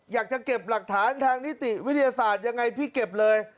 อยากจะเก็บหลักฐานทางนิติวิทยาศาสตร์ยังไงพี่เก็บเลย